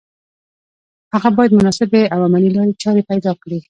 هغه باید مناسبې او عملي لارې چارې پیدا کړي